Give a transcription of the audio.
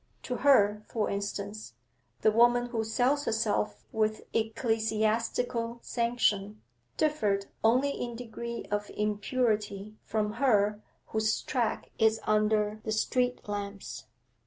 To her, for instance, the woman who sells herself with ecclesiastical sanction differed only in degree of impurity from her whose track is under the street lamps.